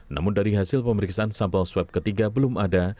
namun dari hasil pemeriksaan sampel swab ketiga belum ada